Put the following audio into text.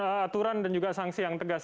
dan juga aturan dan juga sanksi yang tegas